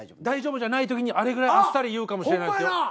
大丈夫じゃない時にあれぐらいあっさり言うかもしれないっすよ。